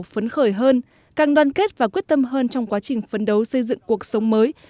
phấn khởi hơn càng đoàn kết và quyết tâm hơn trong quá trình phấn đấu xây dựng cuộc sống mới